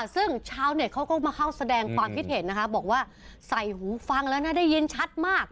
ซึ่งชาวเน็ตเขาก็มาเข้าแสดงความคิดเห็นนะคะบอกว่าใส่หูฟังแล้วนะได้ยินชัดมาก